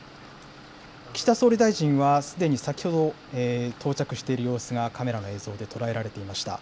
岸田総理大臣は、すでに先ほど、到着している様子が、カメラの映像で捉えられていました。